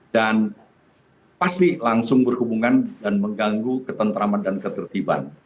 dan pasti langsung berhubungan dan mengganggu ketentraman dan ketertiban